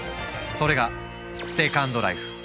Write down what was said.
それが「セカンドライフ」。